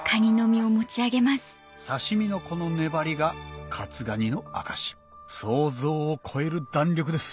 刺身のこの粘りが活がにの証し想像を超える弾力です